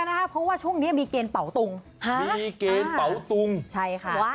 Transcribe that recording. นะครับเพราะว่าช่วงนี้มีเกณฑ์เป๋าตุงฮะมีเกณฑ์เป๋าตุงใช่ค่ะว้าว